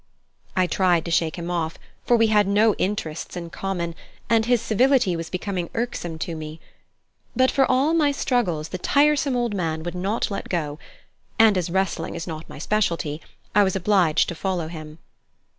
I tried to shake him off, for we had no interests in common, and his civility was becoming irksome to me. But for all my struggles the tiresome old man would not let go; and, as wrestling is not my speciality, I was obliged to follow him.